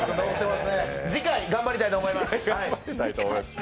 次回頑張りたいと思います！